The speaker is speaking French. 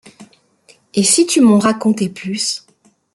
Et si tu m'en racontais plus.